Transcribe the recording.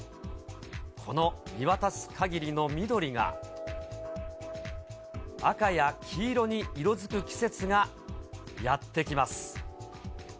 この見渡すかぎりの緑が、赤や黄色に色づく季節がやって来ます。